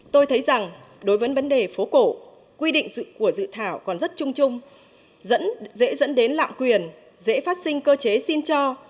tôi thấy rằng đối với vấn đề phố cổ quy định của dự thảo còn rất chung chung dễ dẫn đến lạm quyền dễ phát sinh cơ chế xin cho